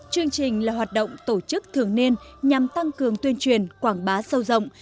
chương trình là hoạt động tổ chức thường niên nhằm tăng cường tuyên truyền quảng bá sâu rộng